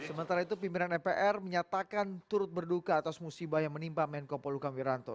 sementara itu pimpinan mpr menyatakan turut berduka atas musibah yang menimpa menko polukam wiranto